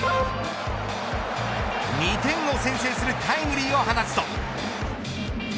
２点を先制するタイムリーを放つと。